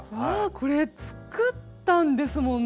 これ作ったんですもんね。